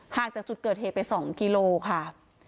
ห้างจากจุดเกิดเหตุไปสองกิโลกรัมค่ะ